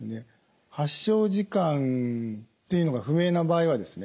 発症時間っていうのが不明な場合はですね